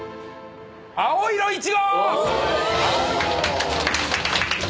青色１号。